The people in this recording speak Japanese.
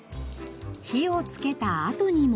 火をつけた後にも。